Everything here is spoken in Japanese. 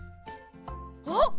あっ！